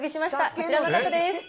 こちらの方です。